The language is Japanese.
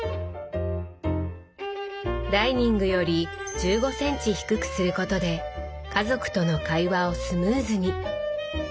ダイニングより１５センチ低くすることで家族との会話をスムーズに。